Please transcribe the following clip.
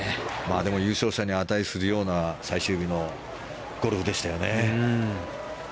でも優勝者に値するような最終日のゴルフでしたよね。